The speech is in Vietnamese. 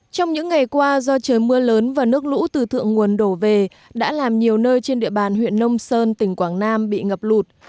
trong những ngày qua do trời mưa lớn và nước lũ từ thượng nguồn đổ về đã làm nhiều nơi trên địa bàn huyện nông sơn tỉnh quảng nam bị ngập lụt